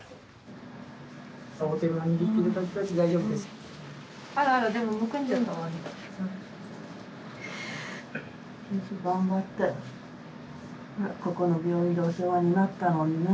よく頑張ってここの病院でお世話になったもんね。